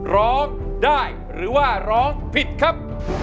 ร้องได้หรือว่าร้องผิดครับ